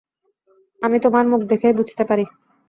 আমি তোমার মুখ দেখেই বুঝতে পারি।